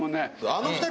あの２人